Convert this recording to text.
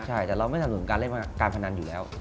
ใช่แต่เราไม่สนับสนุนการเล่นการพนันอยู่แล้ว